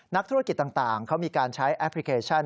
นักธุรกิจต่างเขามีการใช้แอปพลิเคชัน